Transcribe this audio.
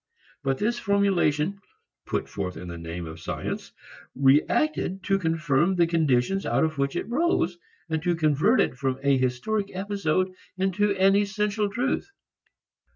But this formulation (put forth in the name of science) reacted to confirm the conditions out of which it arose, and to convert it from a historic episode into an essential truth.